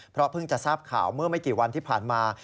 เพราะเพิ่งจะทราบข่าวเมื่อไม่กี่วันที่ผ่านมา